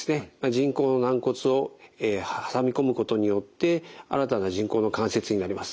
人工の軟骨を挟み込むことによって新たな人工の関節になります。